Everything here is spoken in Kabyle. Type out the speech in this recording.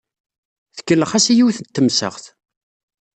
Tkellex-as i yiwet n temsaɣt.